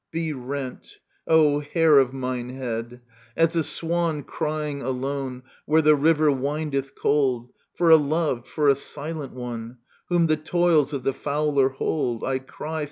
Be rent, O hair of mine head I As a swan crying alone Where the river windeth cold, For a loved, for a silent one. Whom the toils of the fowler hold, I cry.